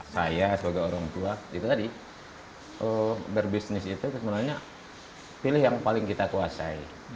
saya sebagai orang tua itu tadi berbisnis itu sebenarnya pilih yang paling kita kuasai